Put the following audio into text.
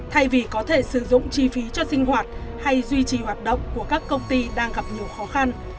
thay vì có thể sử dụng chi phí cho sinh hoạt hay duy trì hoạt động của các công ty đang gặp nhiều khó khăn